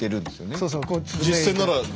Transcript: そうそう。